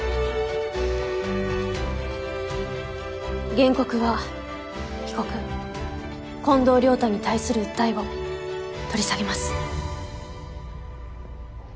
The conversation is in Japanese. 原告は被告近藤良太に対する訴えを取り下げます。